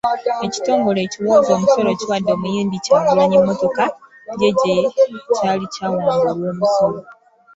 Ekitongole ekiwooza omusolo kiwadde omuyimbi Kyagulanyi emmotoka ye gye kyali kyawamba olw’omusolo.